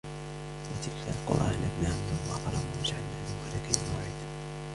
وتلك القرى أهلكناهم لما ظلموا وجعلنا لمهلكهم موعدا